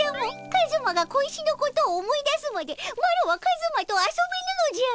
カズマが小石のことを思い出すまでマロはカズマと遊べぬのじゃ！